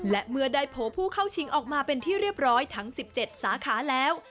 และเมื่อได้โผล่ผู้เข้าชิงออกมาเป็นที่เรียบร้อยทั้ง๑๗สาขาแล้ว